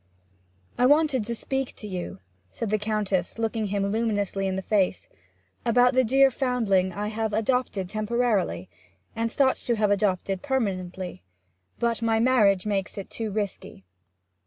'I wanted to speak to you,' said the Countess, looking him luminously in the face, 'about the dear foundling I have adopted temporarily, and thought to have adopted permanently. But my marriage makes it too risky!'